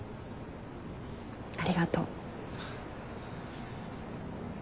ありがとう。